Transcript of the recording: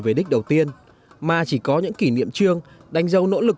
với đích đầu tiên mà chỉ có những kỷ niệm chương đánh dấu nỗ lực